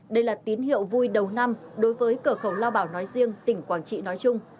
đây là tín hiệu vui đầu năm đối với cửa khẩu lao bảo nói riêng tỉnh quảng trị nói chung